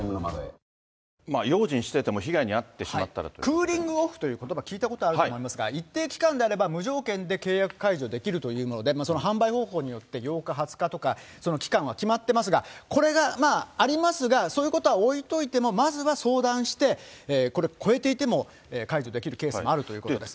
クーリングオフということば、聞いたことあると思いますが、一定期間であれば、無条件で契約解除できるというので、その販売方法によって、８日、２０日とか、期間が決まってますが、これがありますが、そういうことは置いといても、まずは相談して、これ、超えていても解除できるケースもあるということです。